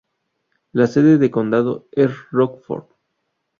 La sede de condado es Rockford.